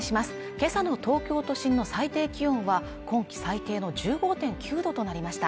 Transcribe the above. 今朝の東京都心の最低気温は今季最低の１５．９度となりました